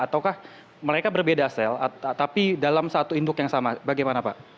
ataukah mereka berbeda sel tapi dalam satu induk yang sama bagaimana pak